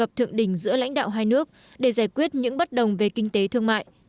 gặp thượng đỉnh giữa lãnh đạo hai nước để giải quyết những bất đồng về kinh tế thương mại